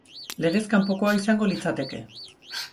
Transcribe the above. Legez kanpokoa izango litzateke.